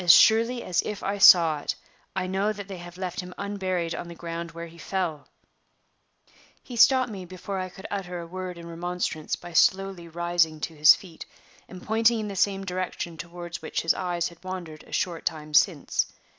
As surely as if I saw it, I know that they have left him unburied on the ground where he fell!" He stopped me before I could utter a word in remonstrance by slowly rising to his feet, and pointing in the same direction toward which his eyes had wandered a short time since.